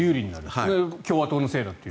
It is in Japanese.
共和党のせいだという。